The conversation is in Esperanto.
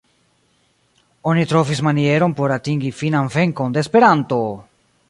Oni trovis manieron por atingi finan venkon de Esperanto!